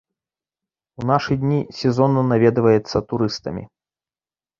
У нашы дні сезонна наведваецца турыстамі.